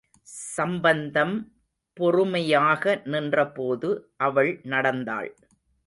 சம்பந்தம் பொறுமையாக நின்றபோது அவள் நடந்தாள்.